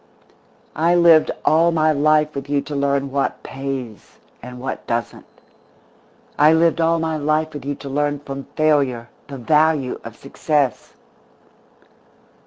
_" "I lived all my life with you to learn what pays, and what doesn't. I lived all my life with you to learn from failure the value of success."